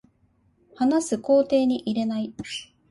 話す工程に入れない